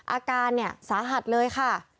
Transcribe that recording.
อาการสาหัสเลยค่ะ